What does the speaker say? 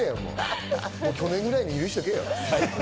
去年ぐらいで許しとけよ。